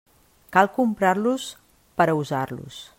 Cal comprar-los per a usar-los.